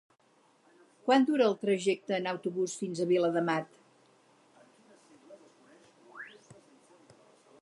Quant dura el trajecte en autobús fins a Viladamat?